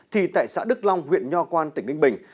thì tại xã đức long huyện nho quan tỉnh ninh bình